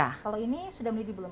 kalau ini sudah mendidih belum